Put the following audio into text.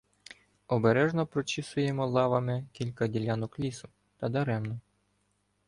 Обережно прочісуємо лавами кілька ділянок лісу, та даремно.